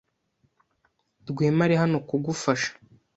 Rwema ari hano kugufasha.